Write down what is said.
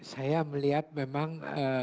saya melihat memang